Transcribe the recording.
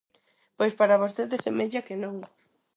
Pois para vostede semella que non.